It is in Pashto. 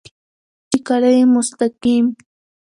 چې کله يې مستقيم